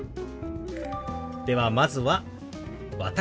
ではまずは「私」。